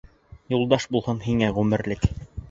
Юлдаш булһын һиңә ғүмерлек.